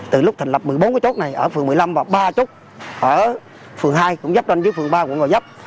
từ lúc thành lập một mươi bốn cái chút này ở phường một mươi năm và ba chút ở phường hai cũng giáp ranh dưới phường ba quận gò vấp